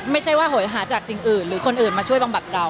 ไม่ใช่ว่าโหยหาจากสิ่งอื่นหรือคนอื่นมาช่วยบำบัดเรา